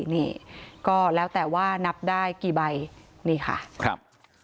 นี่ก็แล้วแต่ว่านับได้กี่ใบนี่ค่ะครับ